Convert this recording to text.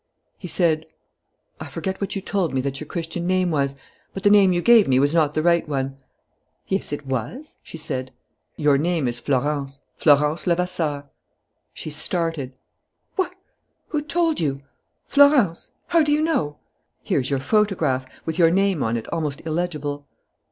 He said: "I forget what you told me that your Christian name was. But the name you gave me was not the right one." "Yes, it was," she said. "Your name is Florence: Florence Levasseur." She started. "What! Who told you? Florence? How do you know?" "Here is your photograph, with your name on it almost illegible."